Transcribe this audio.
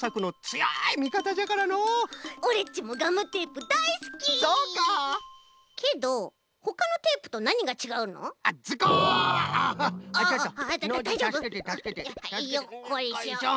よっこいしょ。